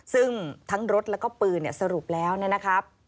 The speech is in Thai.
ซึ่งทั้งรถแล้วก็ปืนสรุปแล้วนะครับ